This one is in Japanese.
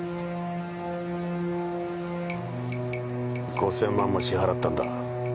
５０００万も支払ったんだ。